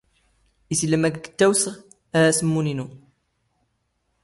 ⵉⵙ ⵉⵍⵍⴰ ⵎⴰ ⴳ ⴰⴽ ⵜⵜⴰⵡⵙⵖ? ⴰ ⴰⵙⵎⵎⵓⵏ ⵉⵏⵓ?